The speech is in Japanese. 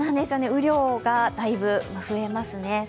雨量がだいぶ増えますね。